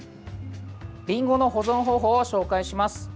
りんごの保存方法を紹介します。